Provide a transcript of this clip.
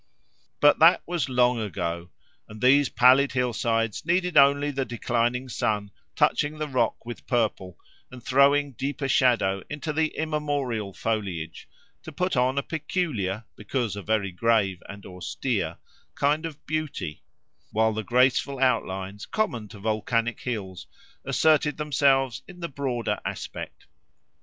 But that was long ago; and these pallid hillsides needed only the declining sun, touching the rock with purple, and throwing deeper shadow into the immemorial foliage, to put on a peculiar, because a very grave and austere, kind of beauty; while the graceful outlines common to volcanic hills asserted themselves in the broader prospect.